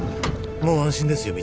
もう安心ですよ